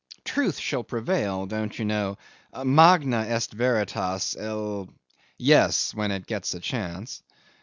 Truth shall prevail don't you know Magna est veritas el ... Yes, when it gets a chance.